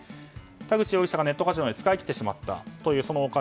田口容疑者がネットカジノで使い切ってしまったというお金